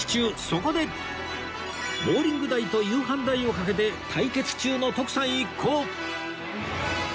そこでボウリング代と夕飯代をかけて対決中の徳さん一行